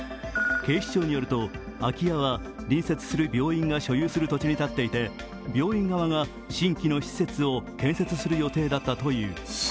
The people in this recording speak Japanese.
警視庁によると、空き家は隣接する病院が所有する土地に建っていて病院側が新規の施設を建設する予定だったという。